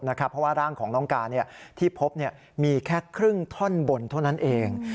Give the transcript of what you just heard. เพราะว่าร่างของน้องการที่พบมีแค่ครึ่งท่อนบนเท่านั้นเอง